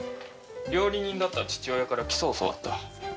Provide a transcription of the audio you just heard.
料理人だった父親から基礎を教わった。